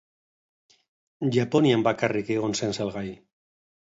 Japonian bakarrik egon zen salgai.